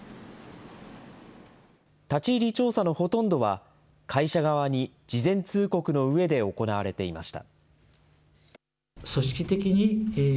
立ち入り調査のほとんどは、会社側に事前通告のうえで行われていました。